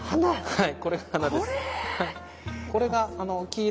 はい。